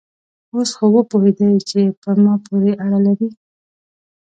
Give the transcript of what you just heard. اوس خو وپوهېدې چې په ما پورې اړه لري؟